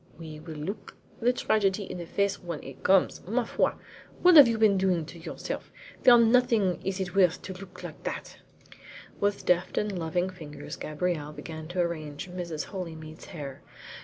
"We will look the tragedy in the face when it comes. Ma foi! What have you been doing to yourself? For nothing is it worth to look like that." With deft and loving fingers Gabrielle began to arrange Mrs. Holymead's hair.